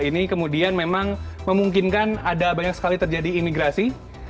ini kemudian memang memungkinkan ada banyak sekali terjadi imigrasi